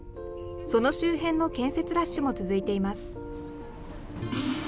その周辺の建設ラッシュも続いています。